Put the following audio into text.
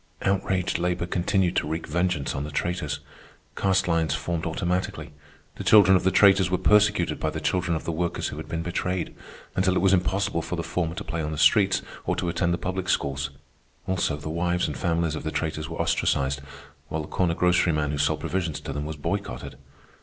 Outraged labor continued to wreak vengeance on the traitors. Caste lines formed automatically. The children of the traitors were persecuted by the children of the workers who had been betrayed, until it was impossible for the former to play on the streets or to attend the public schools. Also, the wives and families of the traitors were ostracized, while the corner groceryman who sold provisions to them was boycotted.